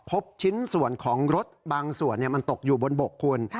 พบชิ้นส่วนของรถบางส่วนมันตกอยู่บนบกคุณ